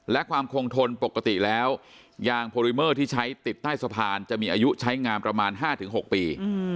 และความคงทนปกติแล้วยางโพลิเมอร์ที่ใช้ติดใต้สะพานจะมีอายุใช้งามประมาณ๕๖ปี